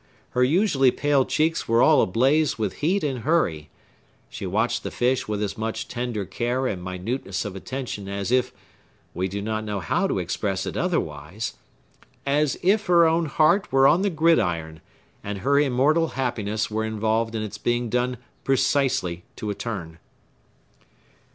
Her usually pale cheeks were all ablaze with heat and hurry. She watched the fish with as much tender care and minuteness of attention as if,—we know not how to express it otherwise,—as if her own heart were on the gridiron, and her immortal happiness were involved in its being done precisely to a turn!